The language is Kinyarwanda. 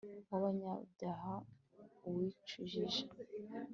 w'abanyabyaha uwicujij